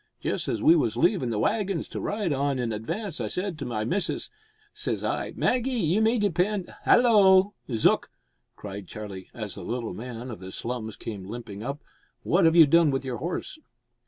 Just as we was leavin' the waggins to ride on in advance I said to my missus says I Maggie, you may depend " "Hallo! Zook," cried Charlie, as the little man of the slums came limping up, "what have you done with your horse?"